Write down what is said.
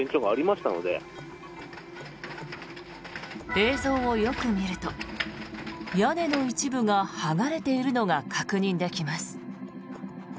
映像をよく見ると屋根の一部が剥がれているのが確認できます。